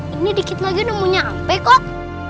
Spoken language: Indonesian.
ini dikit lagi udah mau nyampe kok